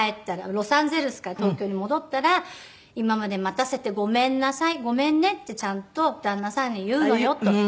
ロサンゼルスから東京に戻ったら「今まで待たせてごめんなさい」「ごめんねってちゃんと旦那さんに言うのよ」と。